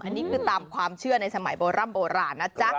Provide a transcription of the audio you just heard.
อันนี้คือตามความเชื่อในสมัยโบร่ำโบราณนะจ๊ะ